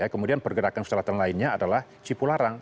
kemudian pergerakan selatan lainnya adalah cipularang